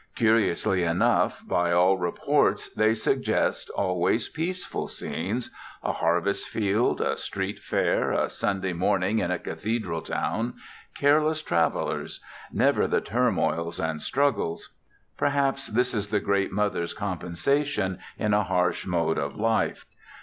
Curiously enough, by all reports, they suggest always peaceful scenes a harvest field, a street fair, a Sunday morning in a cathedral town, careless travelers never the turmoils and struggles. Perhaps this is the great Mother's compensation in a harsh mode of life.